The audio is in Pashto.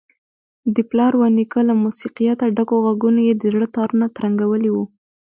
د پلار ونیکه له موسیقیته ډکو غږونو یې د زړه تارونه ترنګولي وو.